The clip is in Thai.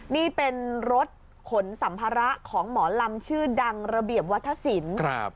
นี่เป็นรถขนสัมภาระของหมอลำชื่อดังระเบียบวัฒนศิลป์